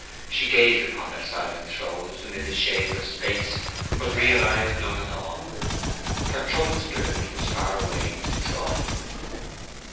She gazed upon their silent throes amid the shades of space, but realised none at all. Her troubled spirit was far away with Troy.